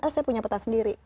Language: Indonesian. saya punya peta sendiri